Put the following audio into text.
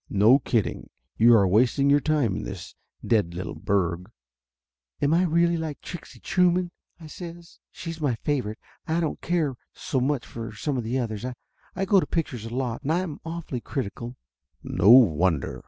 "No kidding; you are wasting your time in this dead little burg." "Am I really like Trixie Trueman ?" I says. "She's my favorite. I don't care so much for some of the others. I go to pictures a lot, and I'm awfully critical." "No wonder!"